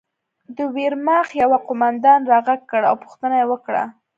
د ویرماخت یوه قومندان را غږ کړ او پوښتنه یې وکړه